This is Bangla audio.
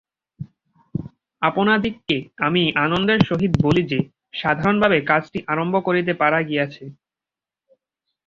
আপনাদিগকে আমি আনন্দের সহিত বলি যে, সাধারণভাবে কাজটি আরম্ভ করিতে পারা গিয়াছে।